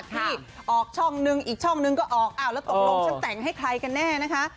ที่ออกช่องนึงอีกช่องนึงก็ออกอ้าวแล้วตกลงฉันแต่งให้ใครกันแน่นะคะ